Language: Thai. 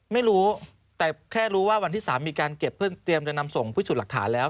ไม่รู้แต่แค่รู้ว่าวันที่๓มีการเก็บเพื่อเตรียมจะนำส่งพิสูจน์หลักฐานแล้ว